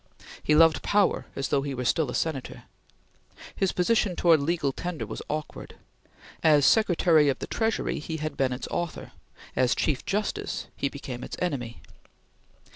He loved power as though he were still a Senator. His position towards Legal Tender was awkward. As Secretary of the Treasury he had been its author; as Chief Justice he became its enemy.